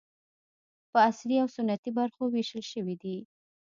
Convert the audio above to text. په عصري او سنتي برخو وېشل شوي دي.